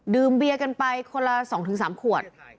เบียกันไปคนละ๒๓ขวด